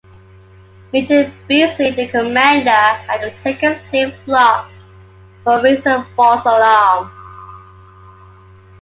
Major Beasley, the commander, had the second slave flogged for "raising a false alarm".